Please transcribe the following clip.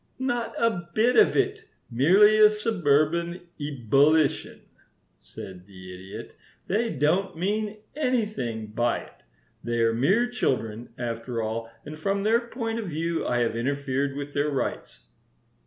"Not a bit of it. Merely a suburban ebullition," said the Idiot. "They don't mean anything by it. They are mere children, after all, and from their point of view I have interfered with their rights."